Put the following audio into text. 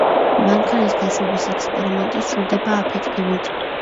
მანქანის გაშვების ექსპერიმენტი სრულდება აფეთქებით.